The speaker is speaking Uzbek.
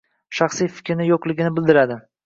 shaxsiy fikri yo‘qligini bildiradi.